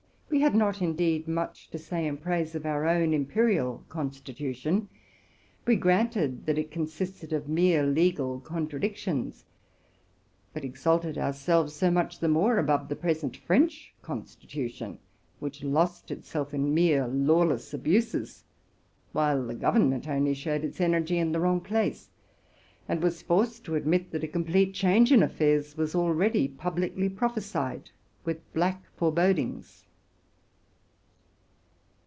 We had not, indeed, much to say in praise of our own imperial constitution. We granted that it consisted of mere legal contradictions, but exalted ourselves so much the more above the present French constitution, which lost itself in mere lawless abuses ; while the government only showed its energy in the wrong place, and was forced to adinit that a complete change in affairs was already publicly prophesied with black forebodings.